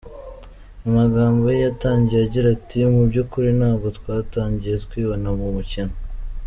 Mu magambo ye yatangiye agira ati “Mu by'ukuri ntabwo twatangiye twibona mu mukino.